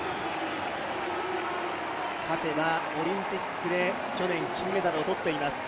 勝てばオリンピックで去年金メダルを取っています。